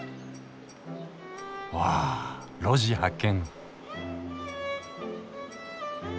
わっ路地発見！